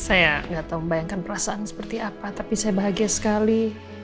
saya nggak tahu membayangkan perasaan seperti apa tapi saya bahagia sekali